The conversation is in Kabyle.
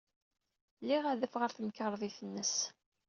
Liɣ adaf ɣer temkarḍit-nnes.